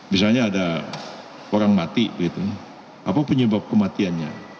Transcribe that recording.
misalnya ada orang mati apa penyebab kematiannya